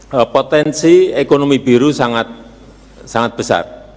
jadi potensi ekonomi biru sangat besar